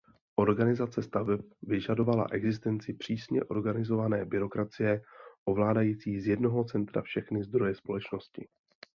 Organizace staveb vyžadovala existenci přísně organizované byrokracie ovládající z jednoho centra všechny zdroje společnosti.